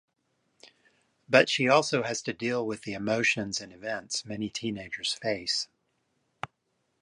But she also has to deal with the emotions and events many teenagers face.